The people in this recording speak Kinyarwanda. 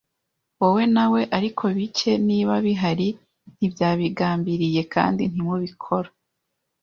wowe na we; ariko bike, niba bihari, ntibyabigambiriye. Kandi ntubikora